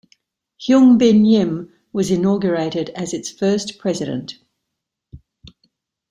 Hyung Bin Yim was inaugurated as its first president.